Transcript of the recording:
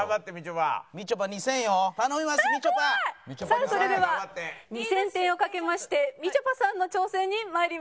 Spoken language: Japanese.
さあそれでは２０００点を賭けましてみちょぱさんの挑戦に参ります。